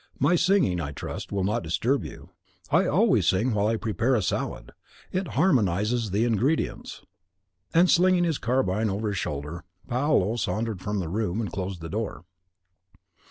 My singing, I trust, will not disturb you. I always sing while I prepare a salad; it harmonises the ingredients." And slinging his carbine over his shoulder, Paolo sauntered from the room, and closed the door.